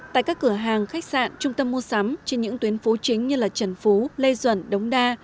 tại các cửa hàng khách sạn trung tâm mua sắm trên những tuyến phố chính như trần phú lê duẩn đống đa